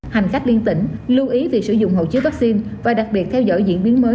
hành khách liên tỉnh lưu ý về sử dụng hậu chứa vaccine và đặc biệt theo dõi diễn biến mới